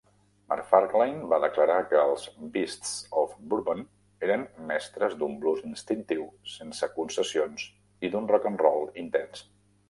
McFarlane va declarar que els Beasts of Bourborn eren "mestres d'un blues instintiu sense concessions i d'un rock'n'roll intens".